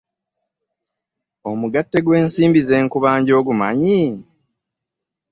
Omugatte gw'ensimbi ze nkubanja ogumanyi?